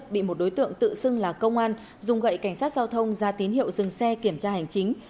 bị một đối tượng tự xưng là công an dùng gậy cảnh sát giao thông ra tín hiệu dừng xe kiểm tra hành chính